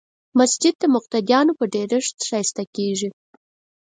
مسجد د مقتدیانو په ډېرښت ښایسته کېږي.